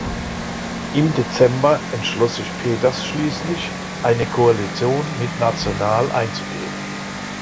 Im Dezember entschloss sich Peters schließlich, eine Koalition mit National einzugehen.